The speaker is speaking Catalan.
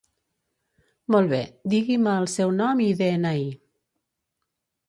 Molt be, digui'm el seu nom i de-ena-i.